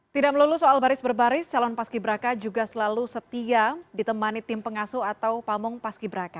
tidak melulu soal baris berbaris calon paski braka juga selalu setia ditemani tim pengasuh atau pamong paski braka